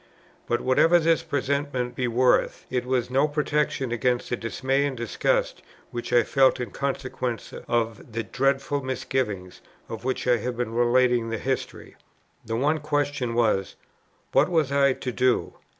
But, whatever this presentiment be worth, it was no protection against the dismay and disgust, which I felt, in consequence of the dreadful misgiving, of which I have been relating the history. The one question was, what was I to do?